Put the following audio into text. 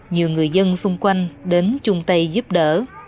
nhiều người dân xung quanh đến chung tay giúp đỡ